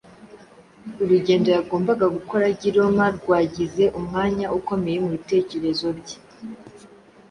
Urugendo yagombaga gukora ajya i Roma rwagize umwanya ukomeye mu bitekerezo bye.